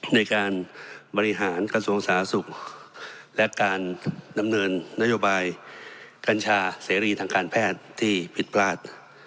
ในการบริหารกระทรวงสาธารณสุขและการดำเนินนโยบายกัญชาเสรีทางการแพทย์ที่ผิดพลาด